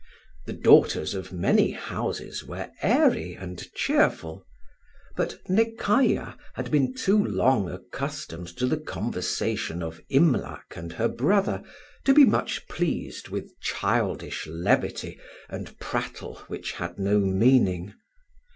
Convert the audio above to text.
The daughters of many houses were airy and cheerful; but Nekayah had been too long accustomed to the conversation of Imlac and her brother to be much pleased with childish levity and prattle which had no meaning.